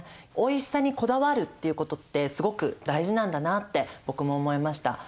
おいしさにこだわるということってすごく大事なんだなって僕も思いました。